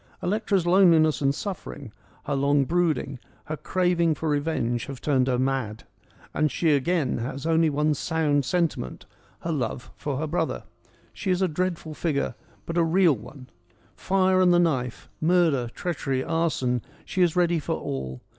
Electra's loneliness and suffering, her long brood 98 FEMINISM IN GREEK LITERATURE ing, her craving for revenge have turned her mad : she again has only one sound sentiment, her love for her brother. She is a dreadful figure, but a real one. Fire and the knife : murder, treachery, arson : she is ready for all.